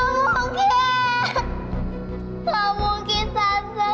kok ada nama mama dan papa disana